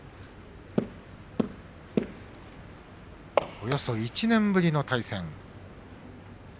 およそ１年ぶりの対戦。